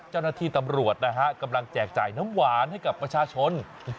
เจ้าหน้าที่ตำรวจนะฮะกำลังแจกจ่ายน้ำหวานให้กับประชาชน